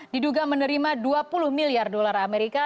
diduga menerima dua puluh miliar dolar amerika